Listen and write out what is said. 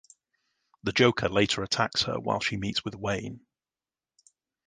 The Joker later attacks her while she meets with Wayne.